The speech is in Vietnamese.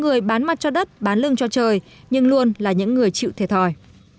người bán mặt cho đất bán lưng cho trời